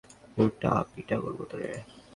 জুতা পিটা করবো তরে।